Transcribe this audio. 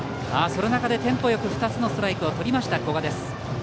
その中で、テンポよく２つのストライクをとった古賀。